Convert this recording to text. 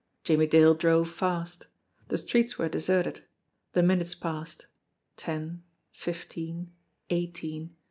Jimmie Dale drove fast. The streets were deserted. The minutes passed ten, fifteen, eighteen.